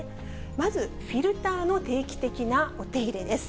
まずフィルターの定期的なお手入れです。